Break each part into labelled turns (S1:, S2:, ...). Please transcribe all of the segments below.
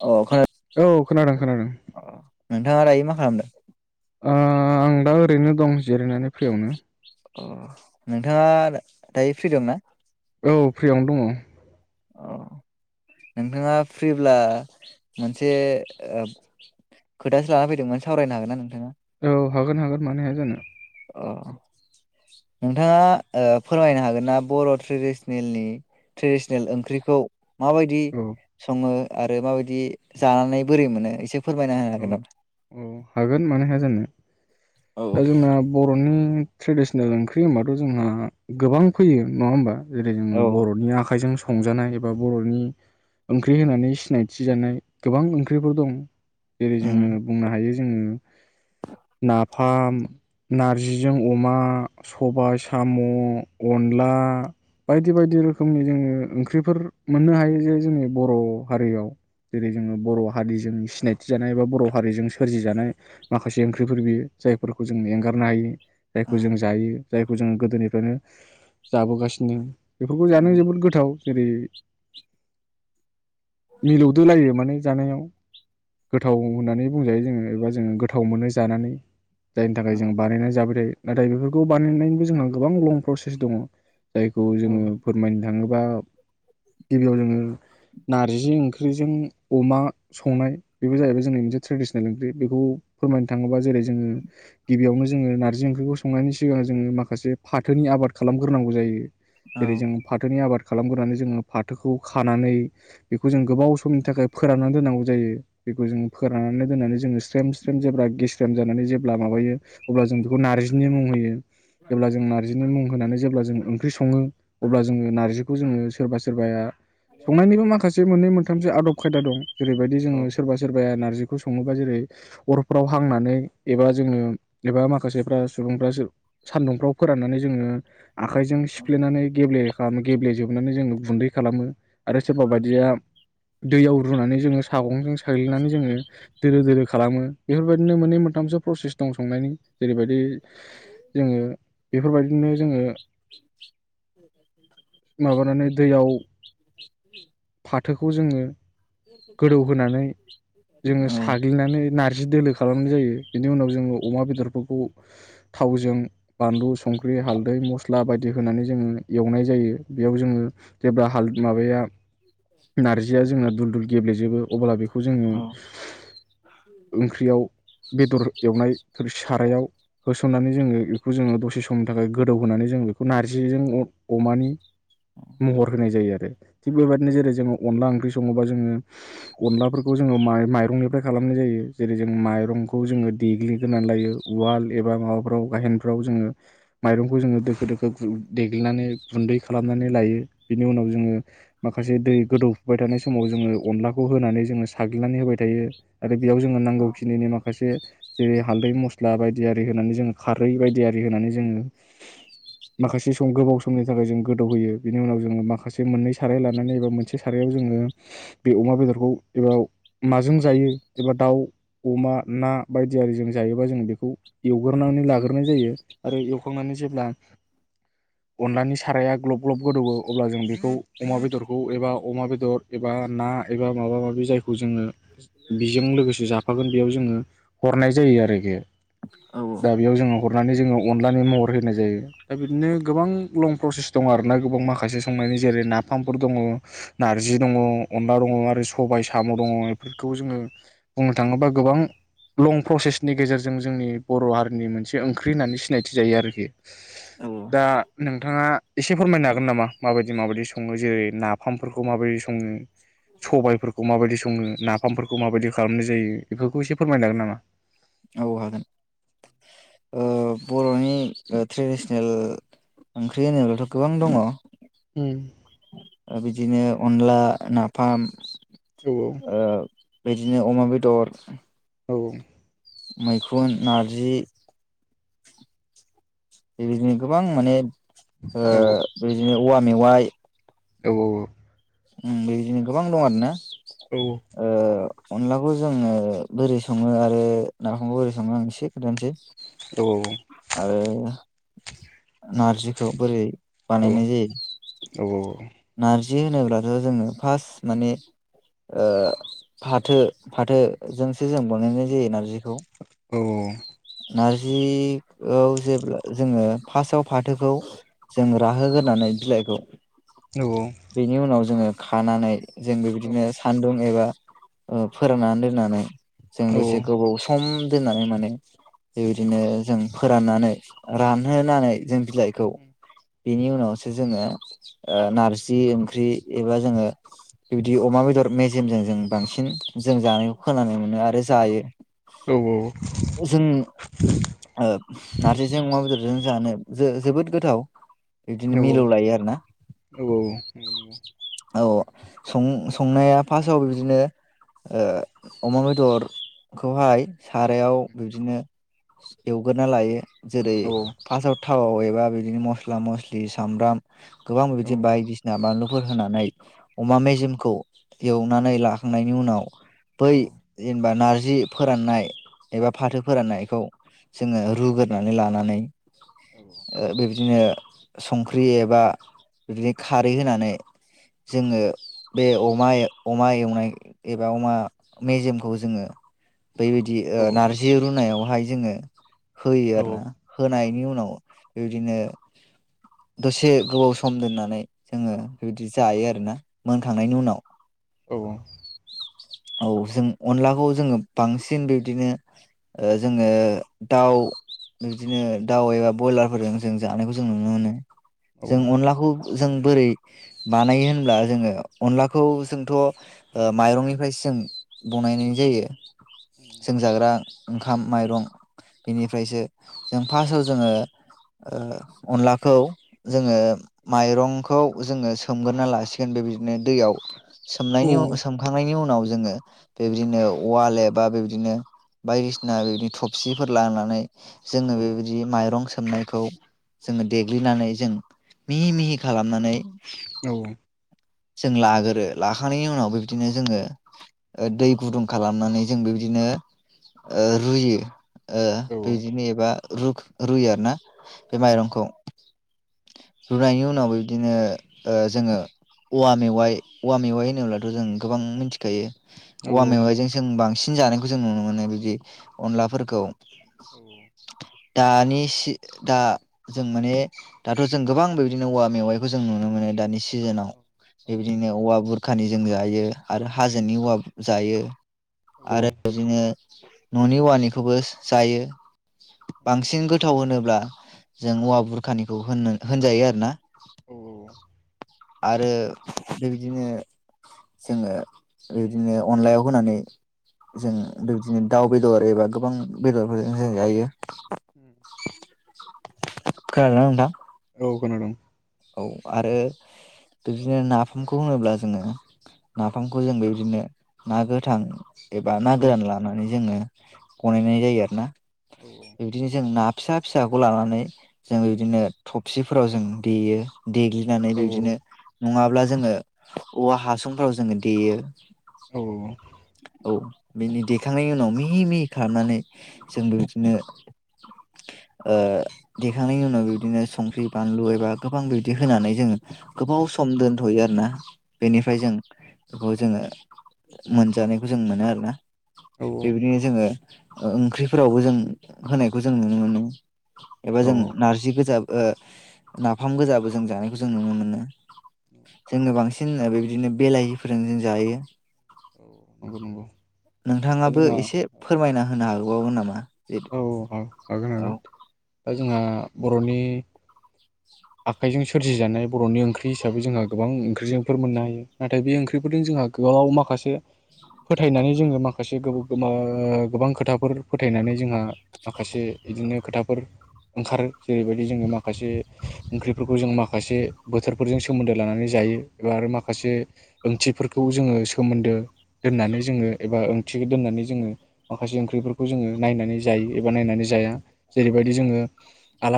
S1: औ
S2: औ खोनादों खोनादों
S1: नोंथाङा दायो मा खालामदों
S2: ओ आं दा ओरैनो दं जिरायनानै फ्रियावनो
S1: अ नोंथाङा दायो फ्रि दं ना
S2: औ फ्रियावनो दङ
S1: अ नोंथाङा फ्रिब्ला मोनसे खोथासो लाना फैदोंमोन सावरायनो हागोन ना नोंथाङा
S2: औ हागोन हागोन मानो हाया जानो
S1: अ नोंथाङा ओ फोरमायनो हागोन ना बर' ट्रेडिसनेलनि ट्रेडिसनेल ओंख्रिखौ माबायदि
S2: औ
S1: सङो आरो माबायदि जानानै बोरै मोनो एसे फोरमायना होनो
S2: औ
S1: हागोन नामा?
S2: औ हागोन मानो हाया जानो
S1: औ
S2: दा जोंना बर'नि ट्रेडिसनेल ओंख्रि होनबाथ' जोंहा गोबां फैयो नङा होमबा जेरै जोङो
S1: औ
S2: बर'नि आखाइजों संजानाय एबा बर'नि ओंख्रि होनानै सिनायथि जानाय गोबां ओंख्रिफोर दं जेरै
S1: उम
S2: जोङो बुंनो हायो जोङो नाफाम नारजिजों अमा सबाय साम' अनला बायदि बायदि रोखोमनि जोङो ओंख्रिफोर मोननो हायो जे जोंनि बर' हारियाव जेरै जोङो बर' हारिजों सिनाय थिजानाय एबा बर' हारिजों सोरजिजानाय माखासे ओंख्रिफोर बियो जायफोरखौ जों एंगारनो हायि जायखौ
S1: उम
S2: जों जायो जायखौ जोङो गोदोनिफ्रायनो जाबोगासिनो बेफोरखौ जानो
S1: उम
S2: जोबोद गोथाव जेरै मिलौदोलायो माने जानायाव गोथाव होननानै बुंजायो जोङो एबा जोङो गोथाव मोनो जानानै जायनि
S1: औ
S2: थाखाय जों बानायनानै जाबाय थायो नाथाय बेफोरखौ बानायनायनिबो जोंहा गोबां लं प्रसेस दङ जायखौ
S1: औ
S2: जोङो फोरमायनो थाङोबा गिबियाव जोङो नारजि ओंख्रिजों अमा संनाय बेबो जाहैबाय जोंनि मोनसे ट्रेडिसनेल ओंख्रि बेखौ फोरमायनो थाङोबा जेरै जोङो गिबियावनो जोङो नार्जि ओंख्रिखौ संनायनि सिगां जोङो माखासे फाथोनि आबाद खालामग्रोनांगौ जायो जेरै जों फाथोनि आबाद खालामग्रोनानै जोङो फाथोखौ खानानै बेखौ जों गोबाव समनि थाखाय फोराननानै दोननांगौ जायो बेखौ जोङो फोराननानै दोननानै जोङो स्रेम स्रेम जेब्ला गेस्रेम जानानै जेब्ला माबायो अब्ला जों बेखौ नारजिनि मुं होयो जेब्ला जों नारजिनि मुं होनानै जेब्ला जों जों ओंख्रि सङो अब्ला जोङो नारजिखौ जोङो सोरबा सोरबाया संनायनिबो माखासे मोननै मोनथामसो आदब खायदा दं जेरैबायदि
S1: औ
S2: जोङो सोरबाया नारजिखौ सङोबा जेरै अरफफ्राव हांनानै एबा जोङो एबा माखासेफ्रा सुबुंफ्रा सान्दुंफ्राव फोराननानै जोङो आखाइजों सिफ्लेनानै गेब्ले खालाम गेब्लेेजोबनानै जोङो गुन्दै खालामो आरो सोरबा बायदिया दैयाव रुनानै जोङो सागंजों साग्लिनानै जोङो दोरो दोरो खालामो बेफोरबायदिनो मोननै मोनथामसो प्रसेस दं संनायनि जेरैबायदि जोङो बेफोरबायदिनो जोङो माबानानै दैयाव फाथो खौ जोङो गोदौहोनानै
S1: [unintelligible]
S2: जोङो साग्लिनानै नारजि दोलो खालामनाय जायो बिनि उनाव जोङो अमा बेदरफोरखौ थावजों बानलु संख्रि हाल्दै मस्ला बायदि दै होनानै जोङो एवनाय जायो बेयाव जोङो जेब्ला हाल माबाया नारजिया जोंना दुल दुल गेब्लेजोबो अब्ला बेखौ खौ जोङो
S1: औ
S2: ओंख्रिआव बेदर एवनाय थोर सारायाव होसननानै जोङो इखौ जोङो दसे जि समनि थाखाय गोदौ होनानै जों बेखौ नारजिजों अमानि महर होनाय जायो आरो थिग बेबायदिनो जेर जो अनला ओंख्रि सङोबा जोङो अनलाफोरखौ खौ जोङो मा- माइरंनिफ्राय खालामनाय जायो जेरै जों माइरंखौ जोङो देग्लिग्रोनानै लायो उवाल एबा माबाफ्राव गाहेनफ्राव जोङो माइरंखौ जोङो दोखो दोखो देग्लिनानै गुन्दै खालामनानै लायो बिनि उनाव जोङो माखासे दै गोदौफुबाय थानाय समाव जोङो अनलाखौ होनानै जोङो साग्लिनानै होबाय थायो आरो बेयाव जोङो नांगौखिनिनि माखासे जेरै हालदै, मस्ला बायदि आरि होनानै जोङो खारै बायदि आरि होनानै जोङो माखासे सम गोबाव समनि थाखाय जों गोदौहोयो बेनि उनाव जोङो माखासे मोननै साराय लानानै एबा मोनसे सारायाव जोङो बे अमा बेदरखौ एबा माजों जायो एबा दाउ अमा ना बायदि आरिजों जायोबा जों बेखौ एवग्रोनानै लाग्रोनाय जायो आरो एवखांनानै जेब्ला अनलानि साराया ग्लब ग्लब गोदौओ अब्ला जों बेखौ अमा बेदरखौ एबा अमा बेदर एबा ना एबा माबा माबि जायखौ जोङो बिजों लोगोसे जाफागोन बेयाव जोङो हरनाय जायो आरोखि
S1: औ
S2: दा बेयाव जोङो हरनानै जोङो अनलानि महर होनाय जायो दा बिदिनो गोबां लं प्रसेस दङ आरोना गोबां माखासे संनायनि जेरै नाफामफोर दङ नारजि दङ अनला दङ आरो सबाय। साम' दङ इफोरखौ जोङो बुंनो थाङोबा गोबां लं प्रसेसनि गेजेरजों जोंनि बर' हारिनि मोनसे ओंख्रि होननानै सिनायथि जायो आरोखि। दा नोंथाङा एसे फोरमायनो हागोन नामा माबायदि माबायदि सङो जेरै नाफामफोरखौ माबायदि सङो सबायफोर खौ माबायदि सङो नाफामफोरखौ माबायदि खालामनाय जायो बेफोरखौ एसे फोरमायनो हागोन नामा?
S1: औ हागोन ओ बर'नि ओ ट्रेडिसनेल ओंख्रि होनोब्लाथ' गोबां दङ।
S2: उम
S1: ओ बिदिनो अनला, नाफाम ओ
S2: औ
S1: बिदि बिदिनो अमा बेदर
S2: औ
S1: मैखुन नारजि बेबायदिनो गोबां माने ओ
S2: औ
S1: बिदिनो औवा मेवाय
S2: औ औ
S1: उम बेबायदिनो गोबां दं आरोना।
S2: औ
S1: ओ अनलाखौ जोङो बोरै सङो आरो नाफामखौ बोरै सङो आं एसे खोन्थानोसै।
S2: औ
S1: आरो नारजिखौ बोरै बानायनाय जायो? नार्जि होनोब्लाथ' जोङो फार्स्ट माने ओ फाथो फाथोजोंसो जों बानायनाय जायो नारजिखौ।
S2: औ
S1: नारजि ओव जेब्ला जोङो फार्स्टआव फाथोखौ जों राहोग्रोनानै बिलाइखौ बेनि उनाव जोङो खानानै जोंबो बिदिनो सान्दुं एबा ओ फोरोंनानै दोननानै जों दसे गोबाव सम दोननानै माने बेबायदिनो जों फोराननानै रानहोनानै जों बिलाइखौ बेनि उनावसो जोङो ओ नारजि जि ओंख्रि एबा जोङो बिबादि अमा बेदर मेजेमजों जों बांसिन जों जानायखौ खोनानो मोनो आरो जायो।
S2: औ औ
S1: जों ओ नारजिजों अमा बेदरजों जानो जो जोबोद गोथाव बिदिनो मिलौ लायो आरोना। औ सं संनाया फारस्टआव बिदिनो ओ अमा बेदरखौहाय सारायाव बिब्दिनो एवगोरना लायो जेरै फार्स्टआव थाव एबा बिदिनो मस्ला मस्लि सामब्राम गोबां बिदिनो बायदिसिना बानलुफोर होना नाय अमा मेजेमखौ एवनानै लाखांनायनि उनाव बै जेनेबा नारजि जि फोराननाय एबा फाथो फोराननायखौ जोङो रुग्रोनानै लानानै ओ बिब्दिनो संख्रि एबा बिदिनो खारै होनानै जोङो बे अमा अमा एवनाय एबा अमा मेजेमखौ जोङो बैदि ओ
S2: औ
S1: नारजि रुनायाव बाहाय जोङो
S2: औ
S1: होयो आरो
S2: औ
S1: ना होनायनि उ उनाव बिबायदिनो दसे गोबाव सम दोननानै जोङो बिदि जायो आरोना मोनखांनायनि उनाव
S2: औ औ [inaudible]
S1: औ जों अनलाखौ जोङो बांसिन बिब्दिनो ओ जोङो दाउ बिब्दिनो दाउ एबा बयलारफोरजों जों जानायखौ जों नुनो मोनो
S2: औ
S1: जों
S2: औ
S1: अनलाखौ जों बोरै बानायो होनब्ला जोङो अनलाखौ जोंथ' ओ माइरंनिफ्रायसो जों बनायनाय जायो जों जाग्रा ओंखाम माइरं बेनिफ्रायसो जों फार्स्टआव जोङो ओ अनलाखौ जोङो माइरंखौ जोङो सोमगोरोना लासिगोन बेबायदिनो दैयाव सोमनायनि उनाव सोमखांनायनि उनाव जोङो बेबायदिनो औवाल एबा बेबायदिनो बायदिसिना बेबादि थफसिफोर लानानै जोङो बेबायदि माइरं सोमनायखौ जोङो देग्लिनानै जों मिहि मिहि खालामनानै जों लागोरो लाखांनायनि उनाव बेबदिनो जोङो दै गुदुं खालामनानै जों बेबायदिनो ओ रुयो ओ बिदिनो एबा रु रुयो आरो ना बे माइरंखौ रुनायनि उनावबो बिदिनो ओ जोङो औवा मेवाइ औवा खायो औवा मेवाइजों जों बांसि जानायखौ जों नुनो मोन बिदि अनलाफोरखौ
S2: औ
S1: दानि सि दा जों माने दाथ' जों गोबां बेदिनो औवा मेवाइखौ जों नुनो मोनो दानि सिजोनाव बेबायदिनो औवा बुरखानि जों जायो आरो हाजोनि औवाबो जायो आरो बिदिनो न'नि औवानिखौबो जायो बांसिन गोथाव होनोब्ला जों औवा बुरखानिखौ होन होनजायो आरोना आरो बेबायदिनो जोङो बिदिनो अनलायाव होनानै जों बिबादिनो दाउ बे दर एबा गोबां बेदरफोरजों जों जायो
S2: उ [inaudible]
S1: खोनादोंना नोंथां
S2: औ खोनादों
S1: औ आरो बिदिनो नाफामखौ होनोब्ला जोङो नाफामखौ जों बेबायदिनो ना गोथां एबा नागोरान लानानै जोङो बनायनाय जायो आरो ना बिबादिनो जों ना फिसा फिसाखौ लानानै जों बिदिनो थफसिफोराव जों देयो देग्लिनानै बिदिनो नङाब्ला जोङो औवा हासुंफोराव जोङो देयो
S2: औ
S1: [inaudible] बिनि देखांनायनि उनाव मिहि मिहि खालामनानै जों बिबादिनो ओ देखांनायनि उनाव बिबादिनो संख्रि बानलु एबा गोबां बिबदि होनानै जोङो गोबाव
S2: औ
S1: सम दोनथ'यो आरोना बेनिफ्राय
S2: औ
S1: जों बेखौ जोङो मोन जानायखौ जों मोनो आरो ना
S2: औ
S1: बेबायदिनो जोङो अ ओंख्रिफोरावबो जों होनायखौ जों नुनो मोनो एबा
S2: औ
S1: जों नारजि गोजा ओ नाफाम गोजाबो जों जानायखौ जों नुनो मोनो जोङो बांसिन बेबायदिनो बेलाहिफोरजों जों जायो
S2: औ नंगौ नंगौ दा
S1: नोंथाङाबो
S2: जोंहा
S1: एसे फोरमायना होनो हागो बावो नामा
S2: औ औ हागोन
S1: औ
S2: हागोन दा जोंहा बर'नि आखाइजों सोरजि जानाय बर'नि ओंख्रि हिसाबै जोंहा गोबां ओंख्रिजोंफोर मोननो हायो नाथाय बे ओंख्रिफोरजों जोंहा गोबाव माखासे फोथायनानै जोङो माखासे गोबाव मा गोबां खोथाफोर फोथायनानै जोंहा माखासे बिदिनो खोथाफोर ओंखारो जेरैबायदि जोङो माखासे ओंख्रिफोरखौ जों माखासे बोथोरफोरजों सोमोनदो लानानै जायो एबा आरो माखासे ओंथिफोरखौ जोङो सोमोनदो दोननानै जोङो एबा ओंथि दोननानै जोङो माखासे ओंख्रिफोरखौ जोङो नायनानै जायो एबा नायनानै जाया जेरैबायदि जोङो आ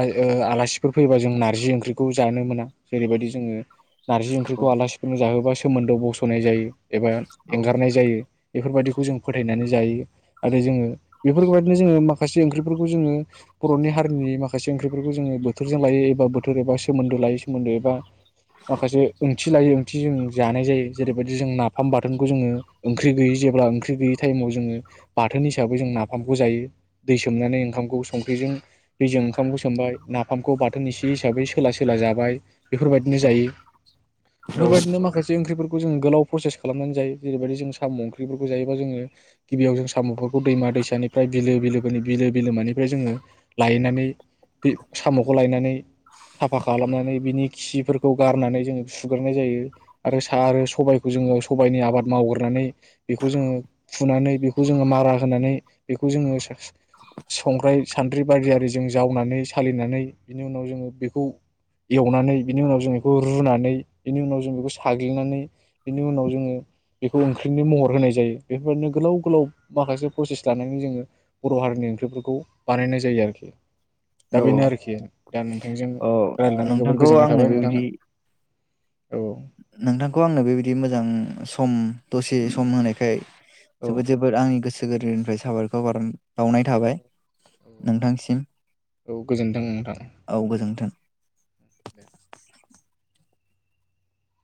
S2: आलासिफोर फैबा जों नारजि ओंख्रिखौ जानो मोना जेरैबायदि जोङो नारजि ओंख्रि
S1: औ
S2: आलाफोरनो जाहोबा सोमोन्दोआव बस'नाय जायो एबा
S1: औ
S2: एंगारनाय जायो बेफोरबायदिखौ जों फोथायनानै जायो आरो जोङो बेफोरबायदिनो जोङो माखासे ओंख्रिफोरखौ जोङो बर'नि हारिनि माखासे ओंख्रिफोरखौ जोङो बोथोरजों लायो एबा बोथोर एबा सोमोन्दो लायै सोमोन्दो एबा माखासे ओंथि लायै ओंथि जों जानाय जायो जेरैबायदि जों नाफाम बाथोनखौ जोङो ओंख्रि गैयै जेब्ला ओंख्रि गैयै टाइमाव जोङो बाथोन हिसाबै जों नाफाम नाफामखौ जायो दै सोमनानै ओंखामखौ संख्रिजों दैजों ओंखामखौ सोमबाय नाफामखौ बाथोन एसे हिसाबै सोला सोला जाबाय बेफोरबायदिनो जायो
S1: औ
S2: बेफोरबायदिनो माखासे ओंख्रिफोर जों गोलाव प्रसे खालामनानै जायो जेरैबायदि जों साम' ओंख्रि जायोबा जोङो गिबियाव साम' फोरखौ दैमा दैसा फिसानिफ्राय बिलो बिलोफोरनि बिलो बिलोमानिफ्राय जोङो लायनानै बे साम'खौ लायनानै साफा खालामनानै बिनि खिफोरखौ गारनानै जोङो सुग्रोनाय जायो आरो सा आरो सबाय बेखौ जोङो सबायनि आबाद मावग्रोनानै बेखौ जोङो फुनानै बेखौ जोङो मारा होनानै बेखौ जोङो संग्राय सान्द्रि बारि आरि जों जावनानै सालिनानै बिनि उनाव जोङो बेखौ एवनानै बिनि उनाव जों बेखौ रुनानै बिनि उनाव जों बेखौ साग्लिनानै बिनि उनाव जोङो बेखौ ओंख्रिनो महर होनाय जायो बेफोरबायदिनो गोलाव गोलाव माखासे प्रसेस लानानै जोङो बर' हारिनि ओंख्रिफोरखौ बानायनाय जायो आरोखि दा
S1: औ
S2: बेनो आरोखि दा नोंथांजों
S1: औ
S2: रायजलायनानै जोबोर
S1: नोंथांखौ
S2: गोजोननाय
S1: आंनो
S2: थाबाय
S1: बेबायदि
S2: नोंथांआ
S1: नोंथांखौ आंनो बेबायदि मोजां सम दसे सम होनायखाय
S2: औ
S1: जोबोद जोबद आंनि गोसो गोर बोनिफ्राय साबायखर बार बावनाय थाबाय नोंथांसिम
S2: औ गोजोन्थों नोंथां दे
S1: औ गोजोनथों